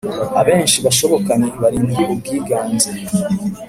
abenshi bashoboka ni barindwi Ubwiganze